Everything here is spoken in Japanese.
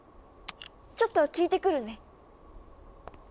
ちょっと聞いてくるね。